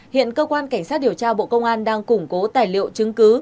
hiện cơ quan cảnh sát điều tra bộ công an đang củng cố tài liệu chứng cứ